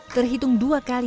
terhitung dua kali